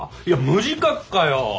いや無自覚かよ！